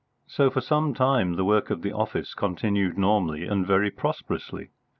So for some time the work of the office continued normally and very prosperously.